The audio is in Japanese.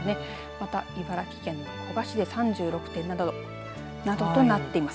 また茨城県の古河市で３６．７度などとなっています。